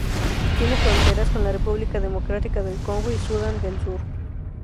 Tiene fronteras con la República Democrática del Congo y Sudán del Sur.